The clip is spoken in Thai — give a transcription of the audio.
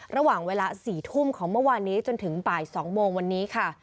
ระหว่างเวลา๔ทุ่มของเมื่อวานนี้จนถึงบ่าย๒โมงวันนี้ค่ะ